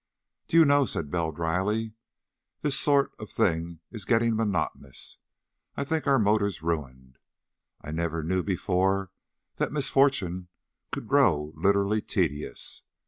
"Do you know," said Bell dryly, "this sort of thing is getting monotonous. I think our motor's ruined. I never knew before that misfortunes could grow literally tedious.